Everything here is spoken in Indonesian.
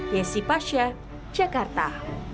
yesi pasha jakarta